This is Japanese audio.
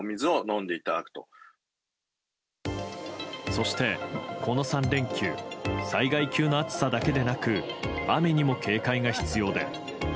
そして、この３連休災害級の暑さだけでなく雨にも警戒が必要で。